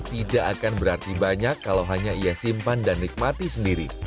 tidak akan berarti banyak kalau hanya ia simpan dan nikmati sendiri